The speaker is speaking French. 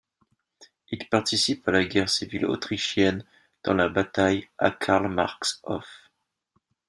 Il participe à la Guerre civile autrichienne dans la bataille à Karl Marx Hof.